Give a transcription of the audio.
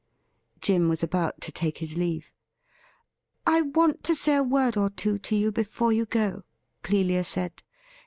Jim was about to take his leave. ' I want to say a word or two to you before you go,' Clelia said.